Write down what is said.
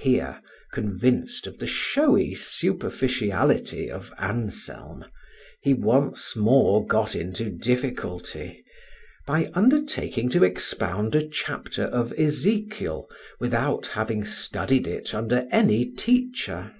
Here, convinced of the showy superficiality of Anselm, he once more got into difficulty, by undertaking to expound a chapter of Ezekiel without having studied it under any teacher.